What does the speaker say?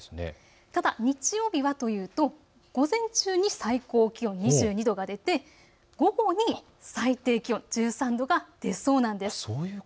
ただ日曜日はというと午前中に最高気温２２度が出て午後に最低気温１３度が出そうなんです。